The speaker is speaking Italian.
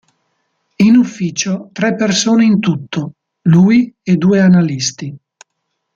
In ufficio tre persone in tutto: lui e due analisti.